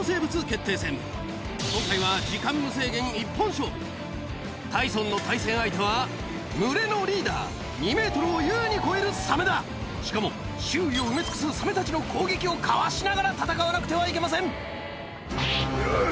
今回はタイソンの対戦相手は２ｍを優に超えるサメだしかも周囲を埋め尽くすサメたちの攻撃をかわしながら戦わなくてはいけませんうっ！